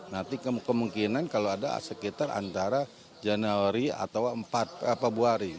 nanti kemungkinan kalau ada sekitar antara januari atau empat februari